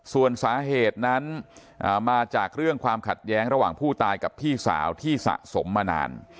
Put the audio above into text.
ส่วนสาเหตุนั้นมาจากเรื่องความขัดแย้งระหว่างผู้ตายกับพี่สาวที่สะสมมานาน